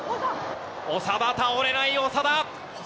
長田、倒れない、長田。